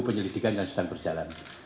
penyelidikan kajutan berjalan